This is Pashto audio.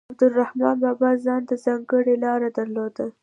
عبدالرحمان بابا ځانته ځانګړې لاره درلوده.